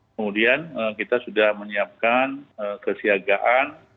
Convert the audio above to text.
kemudian kita sudah menyiapkan kesiagaan